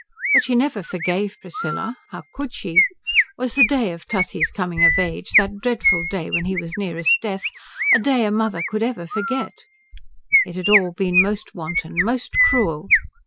But she never forgave Priscilla. How could she? Was the day of Tussie's coming of age, that dreadful day when he was nearest death, a day a mother could ever forget? It had all been most wanton, most cruel.